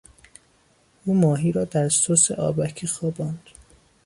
او ماهی را در سس آبکی خواباند.